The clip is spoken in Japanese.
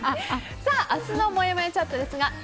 明日のもやもやチャットですがＨｅｙ！